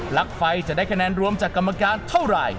ลั๊กไฟจะได้คะแนนรวมจากกรรมการเท่าไหร่